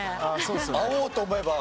会おうと思えば。